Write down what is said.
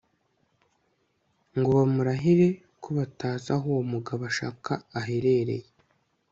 ngo bamurahire ko batazi aho uwo mugabo ashaka aherereye